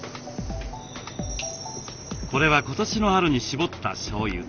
これは今年の春に搾ったしょうゆ。